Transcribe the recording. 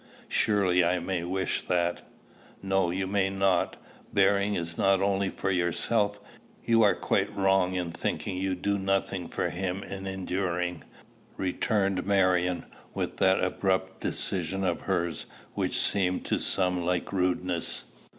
Surely I may wish that?" "No: you may not. Bearing is not only for yourself. You are quite wrong in thinking you do nothing for him in enduring," returned Marion, with that abrupt decision of hers which seemed to some like rudeness.